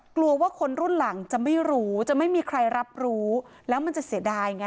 กลัวว่าคนรุ่นหลังจะไม่รู้จะไม่มีใครรับรู้แล้วมันจะเสียดายไง